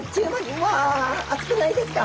うわ熱くないですか？